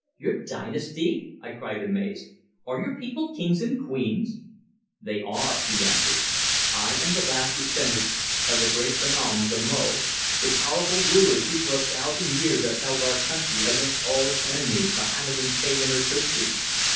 "Your dynasty!" I cried amazed. "Are your people kings and queens?" "They are," he answered. "I am the last descendant of the great Sanoms of Mo, the powerful rulers who for a thousand years have held our country against all its enemies, Mahommedan, Pagan or Christian.